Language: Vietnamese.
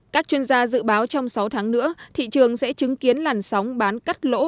các chuyên gia dự báo trong sáu tháng nữa thị trường sẽ chứng kiến làn sóng bán cắt lỗ